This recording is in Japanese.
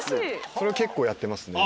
それを結構やってますね。